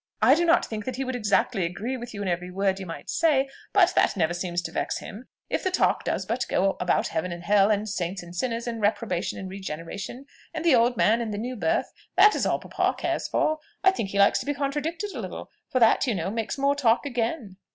I do not think that he would exactly agree with you in every word you might say: but that never seems to vex him: if the talk does but go about heaven and hell, and saints and sinners, and reprobation and regeneration, and the old man and the new birth, that is all papa cares for. I think he likes to be contradicted a little; for that, you know, makes more talk again."